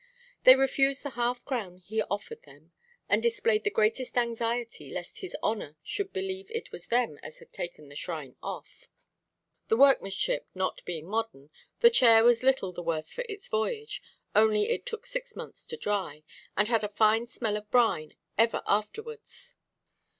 They refused the half–crown he offered them, and displayed the greatest anxiety lest his honour should believe it was them as had taken the shine off. The workmanship not being modern, the chair was little the worse for its voyage; only it took six months to dry, and had a fine smell of brine ever afterwards.